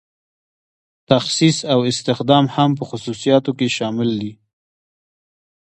تخصیص او استخدام هم په خصوصیاتو کې شامل دي.